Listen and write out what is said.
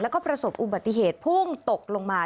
แล้วก็ประสบอุบัติเหตุพุ่งตกลงมา